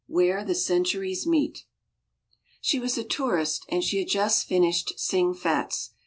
Where the Centuries Meet She was a tourist and she had just finished Sing Fat's.